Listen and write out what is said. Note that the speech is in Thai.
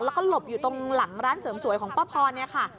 แล้วก็หลบอยู่ตรงหลังร้านเสริมสวยของป้าพรเนี่ยค่ะ